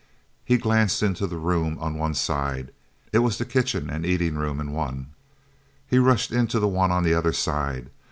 He glanced into the room on one side. It was the kitchen and eating room in one. He rushed into the one on the other side.